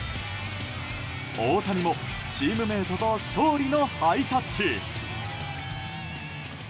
大谷もチームメートと勝利のハイタッチ。